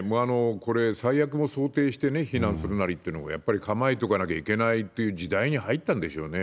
これ、最悪も想定して避難するなりっていうのも、やっぱり構えとかなきゃいけないっていう時代に入ったんでしょうね。